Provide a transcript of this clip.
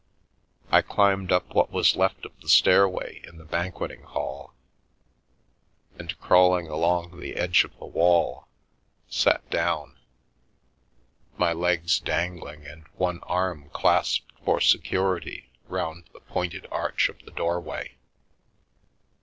I climbed up what was left of the stairway in the banquet ing hall, and, crawling along the edge of the wall, sat down, my legs dangling and one arm clasped for security round the pointed arch of the doorway.